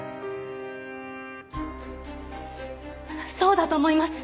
そうだと思います！